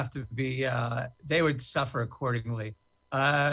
menderita secara bergantian